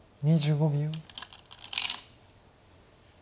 ２５秒。